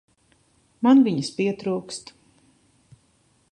Man viņas pietrūkst.